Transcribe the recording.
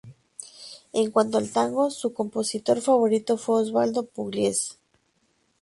En cuanto al tango, su compositor favorito fue Osvaldo Pugliese.